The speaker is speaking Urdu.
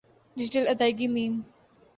ڈیجیٹل ادائیگی م